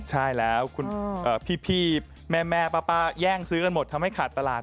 ใช่แล้วคุณพี่แม่ป้าแย่งซื้อกันหมดทำให้ขาดตลาด